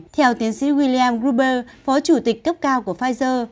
theo tiến sĩ wiliam gruber phó chủ tịch cấp cao của pfizer